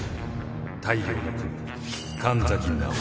太陽ノ国神崎直。